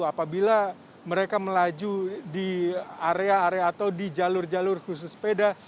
apabila mereka melaju di area area atau di jalur jalur khusus sepeda